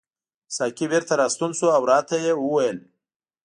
ساقي بیرته راستون شو او راته یې وویل.